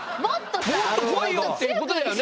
もっとさ。っていうことだよね？